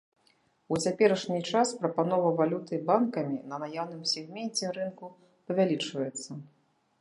У цяперашні час прапанова валюты банкамі на наяўным сегменце рынку павялічваецца.